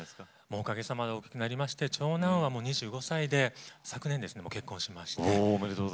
おかげさまで大きくなりまして長男は２５歳で昨年結婚しました。